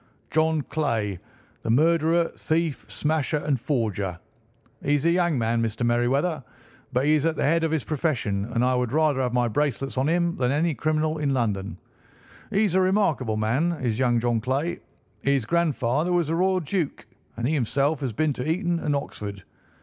"John Clay, the murderer, thief, smasher, and forger. He's a young man, Mr. Merryweather, but he is at the head of his profession, and I would rather have my bracelets on him than on any criminal in London. He's a remarkable man, is young John Clay. His grandfather was a royal duke, and he himself has been to Eton and Oxford.